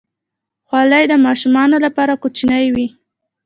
خولۍ د ماشومانو لپاره کوچنۍ وي.